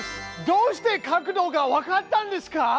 どうして角度がわかったんですか？